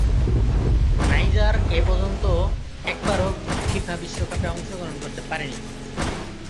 Niger এপর্যন্ত একবারও FIFA বিশ্বকাপে অংশগ্রহণ করতে পারেনি।